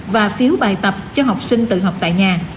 và phiếu bài tập cho học sinh tự học tại nhà